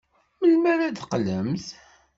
Melmi ara d-teqqlemt?